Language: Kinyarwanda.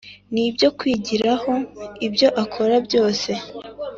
ni ibyo kwigiraho, ibyo akora byose.